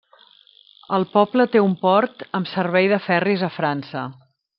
El poble té un port amb servei de ferris a França.